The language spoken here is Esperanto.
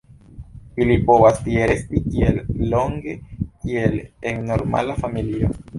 Ili povas tie resti tiel longe kiel en normala familio.